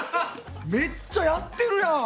めっちゃやってるやん。